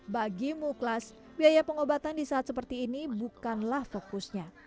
bagi muklas biaya pengobatan di saat seperti ini bukanlah fokusnya